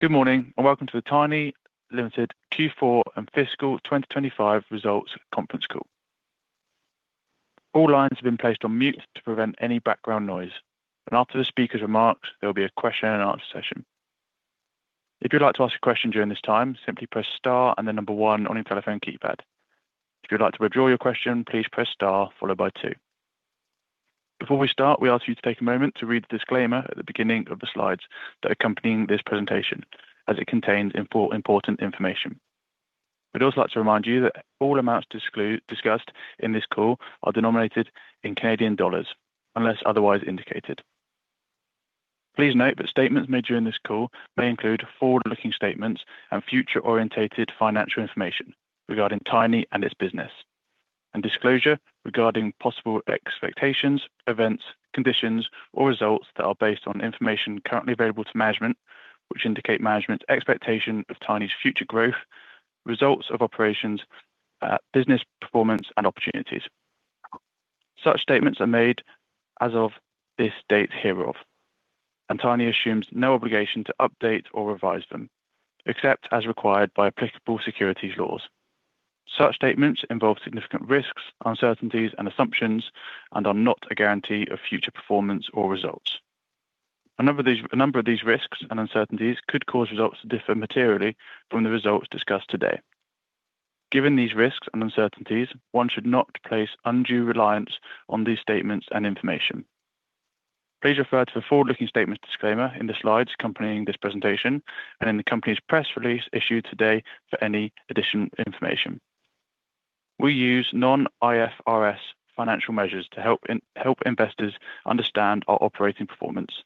Good morning, and welcome to the Tiny Ltd. Q4 and fiscal 2025 results conference call. All lines have been placed on mute to prevent any background noise. After the speaker's remarks, there'll be a question and answer session. If you'd like to ask a question during this time, simply press star and the number one on your telephone keypad. If you'd like to withdraw your question, please press star followed by two. Before we start, we ask you to take a moment to read the disclaimer at the beginning of the slides that are accompanying this presentation, as it contains important information. We'd also like to remind you that all amounts discussed in this call are denominated in Canadian dollars unless otherwise indicated. Please note that statements made during this call may include forward-looking statements and future-oriented financial information regarding Tiny and its business, and disclosure regarding possible expectations, events, conditions, or results that are based on information currently available to management, which indicate management's expectation of Tiny's future growth, results of operations, business performance and opportunities. Such statements are made as of this date hereof, and Tiny assumes no obligation to update or revise them except as required by applicable securities laws. Such statements involve significant risks, uncertainties and assumptions and are not a guarantee of future performance or results. A number of these risks and uncertainties could cause results to differ materially from the results discussed today. Given these risks and uncertainties, one should not place undue reliance on these statements and information. Please refer to the forward-looking statements disclaimer in the slides accompanying this presentation and in the company's press release issued today for any additional information. We use non-IFRS financial measures to help investors understand our operating performance.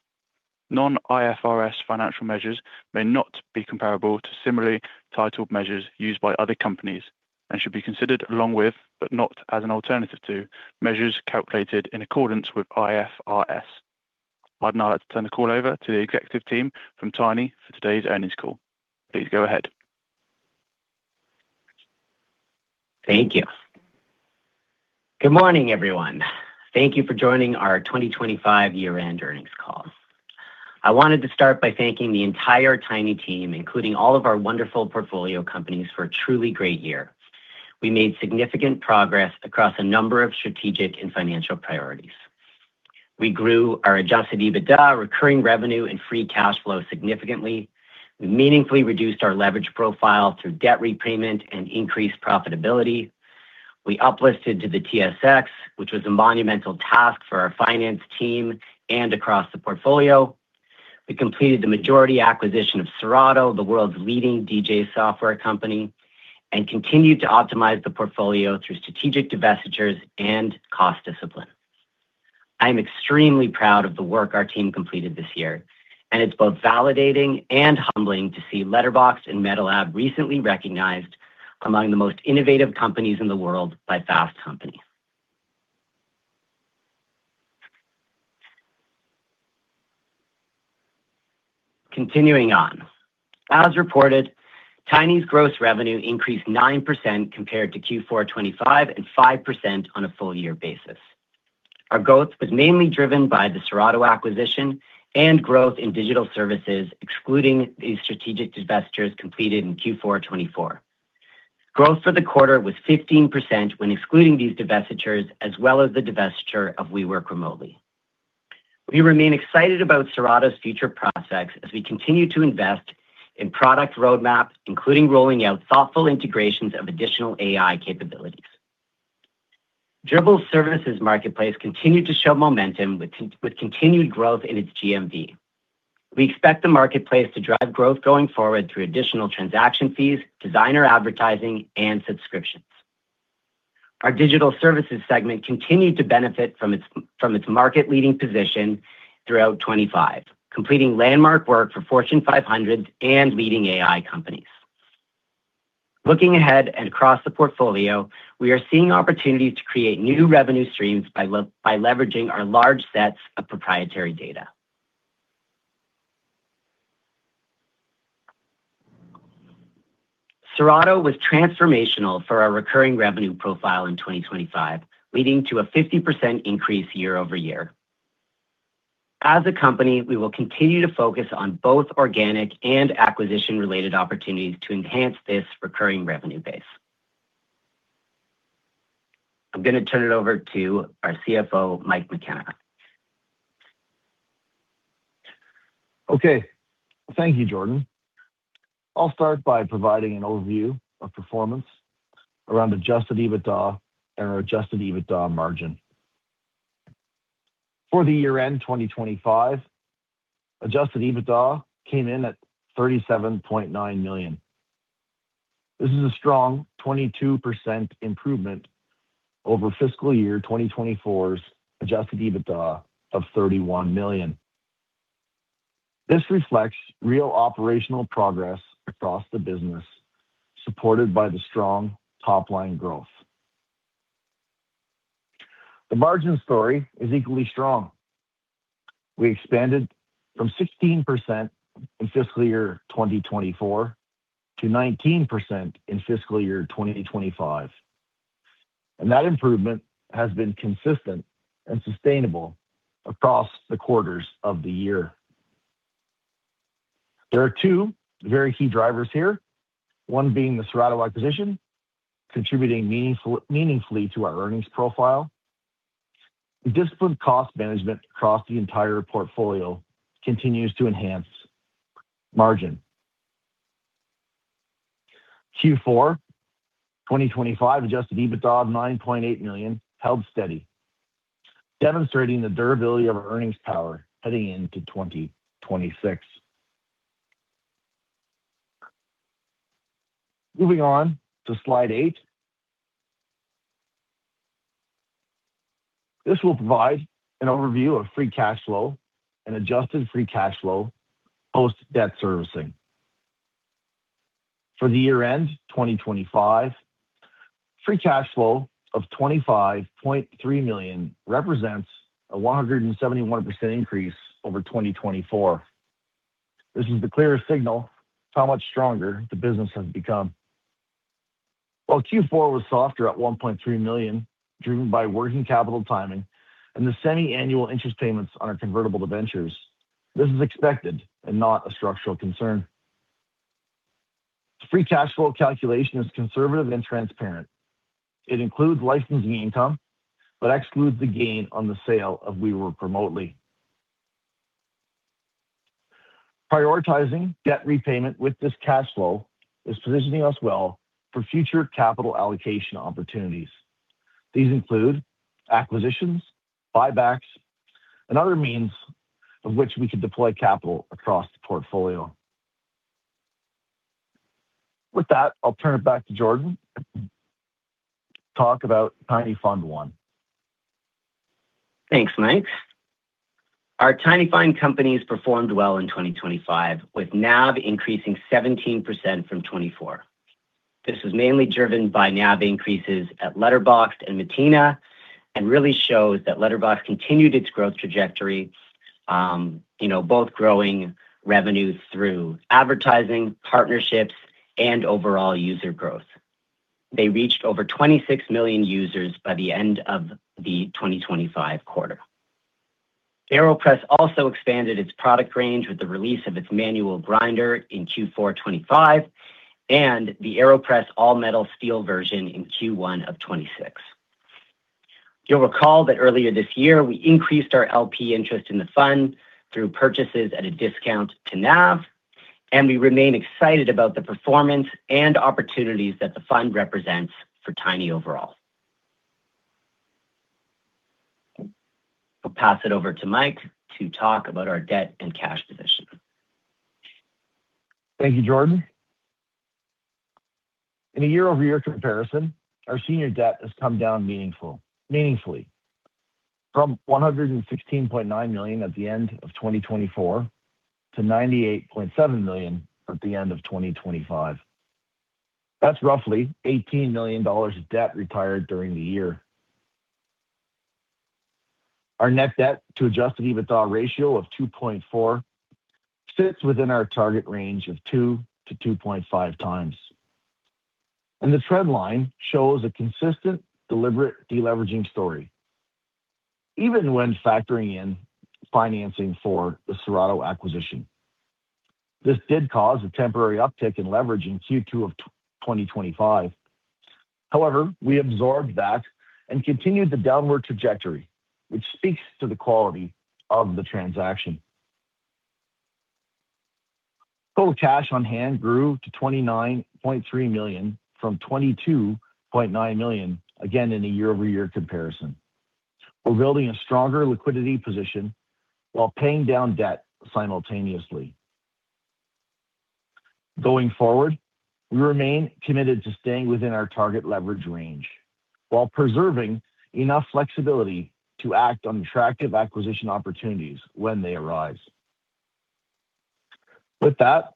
Non-IFRS financial measures may not be comparable to similarly titled measures used by other companies and should be considered along with, but not as an alternative to, measures calculated in accordance with IFRS. I'd now like to turn the call over to the executive team from Tiny for today's earnings call. Please go ahead. Thank you. Good morning, everyone. Thank you for joining our 2025 year-end earnings call. I wanted to start by thanking the entire Tiny team, including all of our wonderful portfolio companies for a truly great year. We made significant progress across a number of strategic and financial priorities. We grew our adjusted EBITDA, recurring revenue and free cash flow significantly. We meaningfully reduced our leverage profile through debt repayment and increased profitability. We uplisted to the TSX, which was a monumental task for our finance team and across the portfolio. We completed the majority acquisition of Serato, the world's leading DJ software company, and continued to optimize the portfolio through strategic divestitures and cost discipline. I am extremely proud of the work our team completed this year, and it's both validating and humbling to see Letterboxd and Metalab recently recognized among the most innovative companies in the world by Fast Company. Continuing on. As reported, Tiny's gross revenue increased 9% compared to Q4 2025 and 5% on a full year basis. Our growth was mainly driven by the Serato acquisition and growth in digital services, excluding these strategic divestitures completed in Q4 2024. Growth for the quarter was 15% when excluding these divestitures as well as the divestiture of We Work Remotely. We remain excited about Serato's future prospects as we continue to invest in product roadmap, including rolling out thoughtful integrations of additional AI capabilities. Dribbble's services marketplace continued to show momentum with continued growth in its GMV. We expect the marketplace to drive growth going forward through additional transaction fees, designer advertising and subscriptions. Our digital services segment continued to benefit from its market-leading position throughout 2025, completing landmark work for Fortune 500 and leading AI companies. Looking ahead and across the portfolio, we are seeing opportunities to create new revenue streams by leveraging our large sets of proprietary data. Serato was transformational for our recurring revenue profile in 2025, leading to a 50% increase year-over-year. As a company, we will continue to focus on both organic and acquisition-related opportunities to enhance this recurring revenue base. I'm gonna turn it over to our CFO, Mike McKenna. Okay. Thank you, Jordan. I'll start by providing an overview of performance around Adjusted EBITDA and our Adjusted EBITDA margin. For the year-end 2025, Adjusted EBITDA came in at 37.9 million. This is a strong 22% improvement over fiscal year 2024's Adjusted EBITDA of 31 million. This reflects real operational progress across the business, supported by the strong top line growth. The margin story is equally strong. We expanded from 16% in fiscal year 2024 to 19% in fiscal year 2025. That improvement has been consistent and sustainable across the quarters of the year. There are two very key drivers here. One being the Serato acquisition, contributing meaningfully to our earnings profile. The disciplined cost management across the entire portfolio continues to enhance margin. Q4, 2025 Adjusted EBITDA of 9.8 million held steady, demonstrating the durability of our earnings power heading into 2026. Moving on to slide 8. This will provide an overview of Free Cash Flow and adjusted free cash flow, post-debt servicing. For the year-end 2025, free cash flow of 25.3 million represents a 171% increase over 2024. This is the clearest signal of how much stronger the business has become. While Q4 was softer at 1.3 million, driven by working capital timing and the semi-annual interest payments on our convertible debentures, this is expected and not a structural concern. Free cash flow calculation is conservative and transparent. It includes licensing income but excludes the gain on the sale of We Work Remotely. Prioritizing debt repayment with this cash flow is positioning us well for future capital allocation opportunities. These include acquisitions, buybacks, and other means of which we could deploy capital across the portfolio. With that, I'll turn it back to Jordan to talk about Tiny Fund I. Thanks, Mike. Our Tiny Fund companies performed well in 2025, with NAV increasing 17% from 2024. This was mainly driven by NAV increases at Letterboxd and Mateina, and really shows that Letterboxd continued its growth trajectory, both growing revenues through advertising, partnerships, and overall user growth. They reached over 26 million users by the end of the 2025 quarter. AeroPress also expanded its product range with the release of its Manual Grinder in Q4 2025, and the AeroPress Steel in Q1 of 2026. You'll recall that earlier this year, we increased our LP interest in the fund through purchases at a discount to NAV, and we remain excited about the performance and opportunities that the fund represents for Tiny overall. I'll pass it over to Mike to talk about our debt and cash position. Thank you, Jordan. In a year-over-year comparison, our senior debt has come down meaningfully from 116.9 million at the end of 2024 to 98.7 million at the end of 2025. That's roughly 18 million dollars of debt retired during the year. Our net debt to Adjusted EBITDA ratio of 2.4 sits within our target range of 2-2.5 times, and the trend line shows a consistent, deliberate deleveraging story even when factoring in financing for the Serato acquisition. This did cause a temporary uptick in leverage in Q2 of 2025. However, we absorbed that and continued the downward trajectory, which speaks to the quality of the transaction. Total cash on hand grew to 29.3 million from 22.9 million, again in a year-over-year comparison. We're building a stronger liquidity position while paying down debt simultaneously. Going forward, we remain committed to staying within our target leverage range while preserving enough flexibility to act on attractive acquisition opportunities when they arise. With that,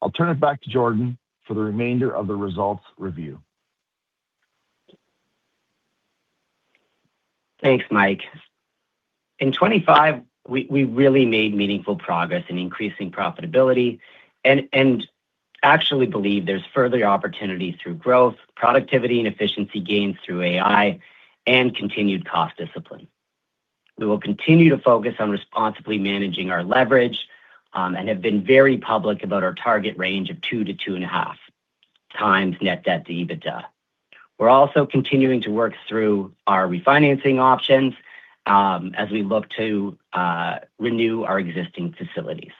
I'll turn it back to Jordan for the remainder of the results review. Thanks, Mike. In 2025, we really made meaningful progress in increasing profitability and actually believe there's further opportunities through growth, productivity, and efficiency gains through AI and continued cost discipline. We will continue to focus on responsibly managing our leverage, and have been very public about our target range of 2 to 2.5 times net debt to EBITDA. We're also continuing to work through our refinancing options, as we look to renew our existing facilities.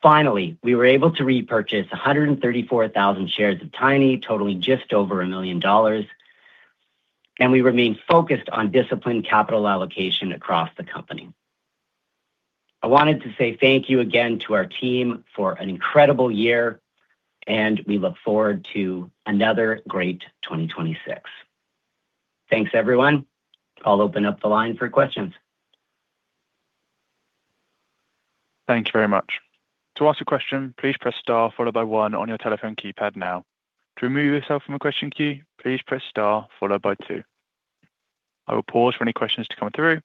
Finally, we were able to repurchase 134,000 shares of Tiny, totaling just over 1 million dollars, and we remain focused on disciplined capital allocation across the company. I wanted to say thank you again to our team for an incredible year, and we look forward to another great 2026. Thanks, everyone. I'll open up the line for questions. Thank you very much. To ask a question, please press star followed by one on your telephone keypad now. To remove yourself from a question queue, please press star followed by two. I will pause for any questions to come through.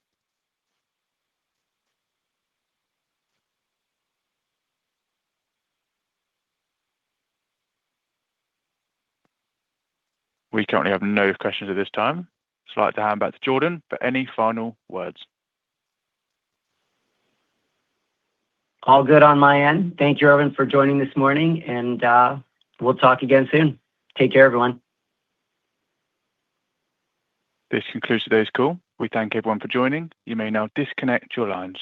We currently have no questions at this time. Just like to hand back to Jordan for any final words. All good on my end. Thank you, everyone, for joining this morning, and we'll talk again soon. Take care, everyone. This concludes today's call. We thank everyone for joining. You may now disconnect your lines.